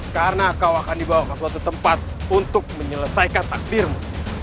karena kau akan dibawa ke suatu tempat untuk menyelesaikan takdirmu